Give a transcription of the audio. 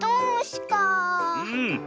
うん。